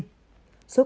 số ca nhiễm